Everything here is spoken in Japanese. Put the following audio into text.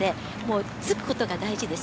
つくことが大事です。